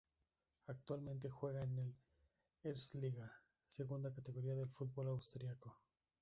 Actualmente juega en la Erste Liga, segunda categoría del fútbol austriaco.